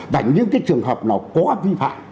vậy nếu cái trường hợp nó có vi phạm